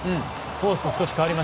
コース